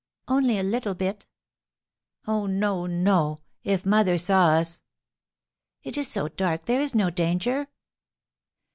"Only a little bit." "Oh, no, no! If mother saw us!" "It is so dark, there is no danger."